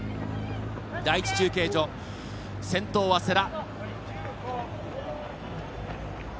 第１中継所、先頭は世羅。